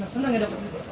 senang ya dapet